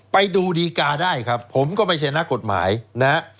ไปดูดีการ์ได้ครับผมก็ไม่ใช่นักกฎหมายนะฮะ